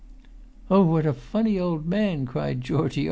"Oh, what a funny old man!" cried Georgie.